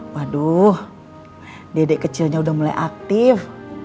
waduh dedek kecilnya udah mulai aktif